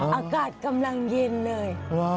อากาศกำลังเย็นเลย